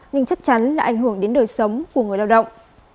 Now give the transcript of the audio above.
nhưng chắc chắn là ảnh hưởng đến đời sống của người lao động